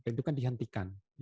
itu kan dihentikan